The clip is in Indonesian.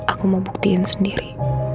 aku mau buktiin sendiri